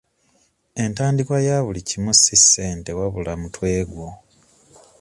Entandikwa ya buli kimu si ssente wabula mutwe gwo.